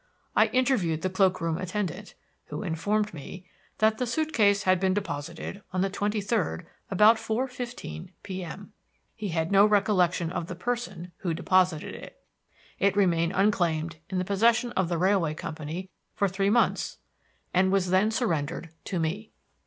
I interviewed the cloakroom attendant, who informed me that the suit case had been deposited on the twenty third about 4:15 p.m. He had no recollection of the person who deposited it. It remained unclaimed in the possession of the railway company for three months, and was then surrendered to me."